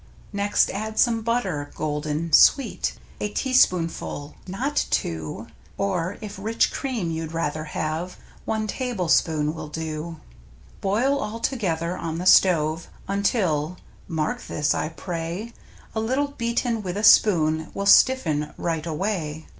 Next add some butter — golden — sweet — A teaspoonful (not two!) ^ Or, if rich cream you'd rather have, One tablespoon will do. Boil all together on the stove Until — mark this, I pray — A little beaten with a spoon Will stiffen right away.